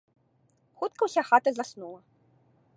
Хутка ўся хата заснула.